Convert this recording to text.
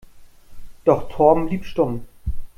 Doch Torben blieb stumm.